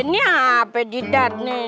ini apa tidak nih